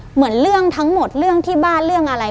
เหมือนเรื่องทั้งหมดเรื่องที่บ้านเรื่องอะไร